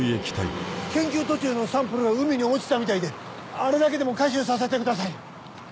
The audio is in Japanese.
研究途中のサンプルが海に落ちたみたいであれだけでも回収させてください。